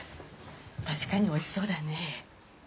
確かにおいしそうだね。